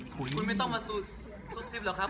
คุณไม่ต้องมาซุ่มซิบหรอกครับ